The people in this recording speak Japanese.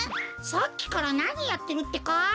さっきからなにやってるってか？